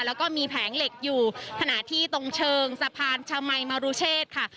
แล้วก็มีแผงเหล็กอยู่ขณะที่ตรงเชิงสะพานชมัยมรุเชษค่ะ